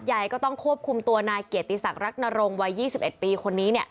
ใหญ่ก็ต้องควบคุมตัวนายเกียรติศักดิรักนรงวัย๒๑ปีคนนี้เนี่ย